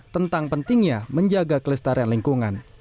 tentang pentingnya menjaga kelestarian lingkungan